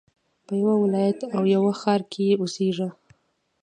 په يوه ولايت او يوه ښار کښي اوسېږه!